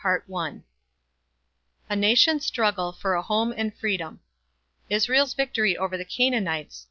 STUDY XII A NATION'S STRUGGLE FOR A HOME AND FREEDOM. ISRAEL'S VICTORIES OVER THE CANAANITES.